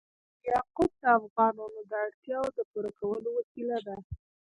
یاقوت د افغانانو د اړتیاوو د پوره کولو وسیله ده.